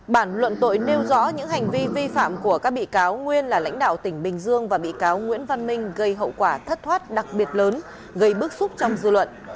bản luận tội nêu rõ những hành vi vi phạm của các bị cáo nguyên là lãnh đạo tỉnh bình dương và bị cáo nguyễn văn minh gây hậu quả thất thoát đặc biệt lớn gây bức xúc trong dư luận